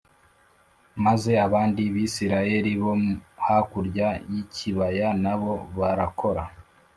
maze abandi bisirayeli bo hakurya y ikibaya n abo barakora